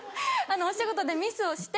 お仕事でミスをして。